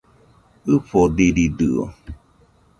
ɨfodiridɨo